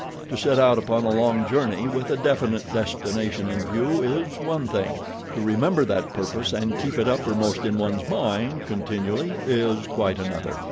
To set out upon a long journey, with a definite destination in view, is one thing, to remember that purpose and keep it uppermost in one's mind continually is quite another.